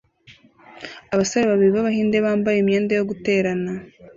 abasore babiri b'Abahinde bambaye imyenda yo guterana